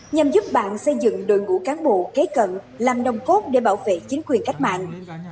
nhằm giúp bạn xây dựng đội ngũ cán bộ kế cận làm đồng cốt để bảo vệ chính quyền cách mạng